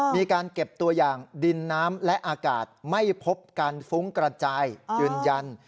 มีการเก็บตัวอย่างดินน้ำและอากาศไม่พบการฟุ้งกระจายยืนยัน